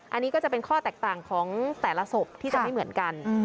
อันนี้ก็จะเป็นข้อแตกต่างของแต่ละศพที่จะไม่เหมือนกัน